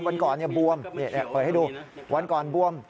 วันก่อนบวมเปิดให้ดูวันก่อนบวม